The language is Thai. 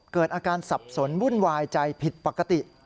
เกิดอาการสับสนวุ่นวายใจผิดปกติ